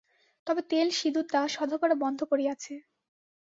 তবে তেল সিঁদুর দেয়া সধবারা বন্ধ করিয়াছে।